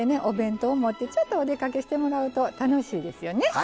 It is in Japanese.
お弁当を持ってちょっとお出かけしてもらうと楽しいですよね。